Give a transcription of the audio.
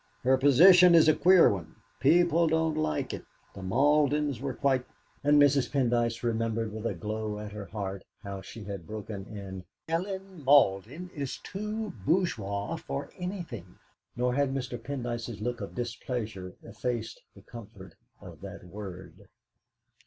Her position is a queer one. People don't like it. The Maldens were quite " And Mrs. Pendyce remembered with a glow at her heart how she had broken in: "Ellen Malden is too bourgeoise for anything!" Nor had Mr. Pendyce's look of displeasure effaced the comfort of that word.